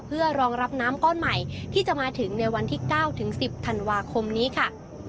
เพื่อรองรับน้ำก้อนใหม่ที่จะมาถึงในวันที่๙ถึง๑๐ธันวาคมนี้ค่ะ